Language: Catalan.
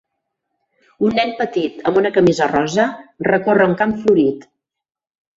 un nen petit amb una camisa rosa recorre un camp florit.